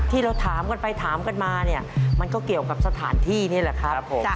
ที่เราถามกันไปถามกันมาเนี่ยมันก็เกี่ยวกับสถานที่นี่แหละครับผม